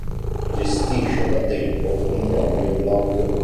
Gestisce da tempo un proprio blog.